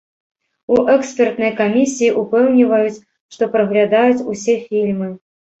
У экспертнай камісіі ўпэўніваюць, што праглядаюць усе фільмы.